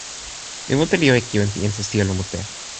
mi mute li jo e kiwen pi insa sijelo mute.